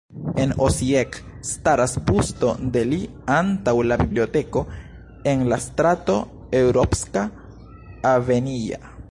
En Osijek staras busto de li antaŭ la biblioteko en la strato Europska Avenija.